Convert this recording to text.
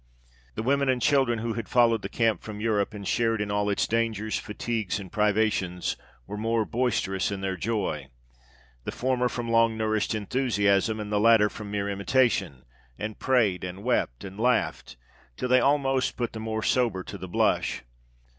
The women and children who had followed the camp from Europe, and shared in all its dangers, fatigues, and privations, were more boisterous in their joy; the former from long nourished enthusiasm, and the latter from mere imitation, and prayed, and wept, and laughed till they almost put the more sober to the blush.